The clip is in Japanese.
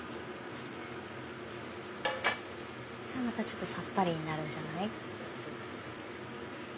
またちょっとさっぱりになるんじゃない？